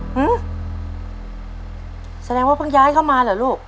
แสดงว่าเพิ่งย้ายเข้ามาเหรอลูก